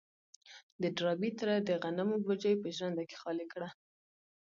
د ډاربي تره د غنمو بوجۍ په ژرنده کې خالي کړه.